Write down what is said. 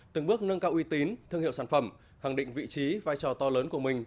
từng bước nâng cao uy tín thương hiệu sản phẩm khẳng định vị trí vai trò to lớn của mình